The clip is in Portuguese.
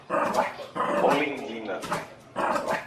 Olindina